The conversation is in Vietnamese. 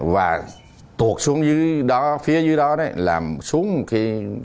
và tuột xuống phía dưới đó là xuống suối